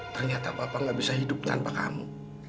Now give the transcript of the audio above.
ternyata bapak gak bisa hidup tanpa kamu